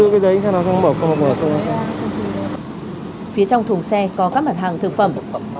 phía trong thùng xe có các mặt hàng thực phẩm